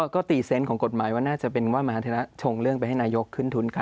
ก็ตีเซนต์ของกฎหมายว่าน่าจะเป็นว่ามหาธระชงเรื่องไปให้นายกขึ้นทุนกัน